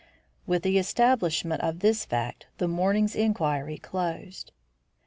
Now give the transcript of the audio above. With the establishment of this fact the morning's inquiry closed.